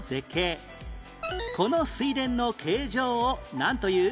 この水田の形状をなんという？